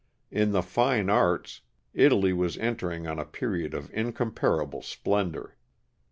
In the fine arts, Italy was entering on a period of incomparable splendor.